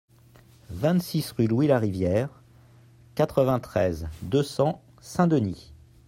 vingt-six rue Louis Larivière, quatre-vingt-treize, deux cents, Saint-Denis